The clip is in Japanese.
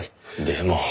でも。